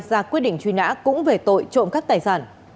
ra quyết định truy nã cũng về tội trộm cắt tài sản